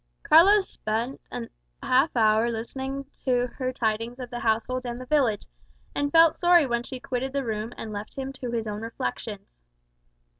Carlos spent half an hour listening to her tidings of the household and the village, and felt sorry when she quitted the room and left him to his own reflections.